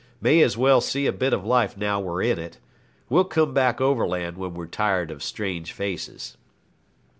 'May as well see a bit of life now we're in it. We'll come back overland when we're tired of strange faces.'